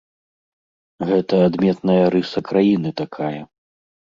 Гэта адметная рыса краіны такая.